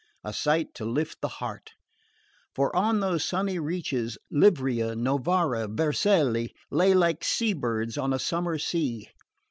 A sight to lift the heart; for on those sunny reaches Ivrea, Novara, Vercelli lay like sea birds on a summer sea.